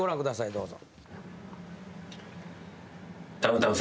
どうぞ。